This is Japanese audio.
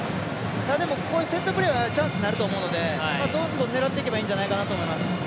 でも、セットプレーはチャンスになると思うのでどんどん狙っていけばいいんじゃないかなと思います。